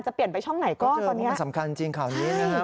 เปลี่ยนไปช่องไหนก็ตอนนี้มันสำคัญจริงข่าวนี้นะฮะ